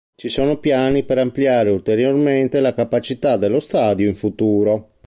Ci sono piani per ampliare ulteriormente la capacità dello stadio in futuro.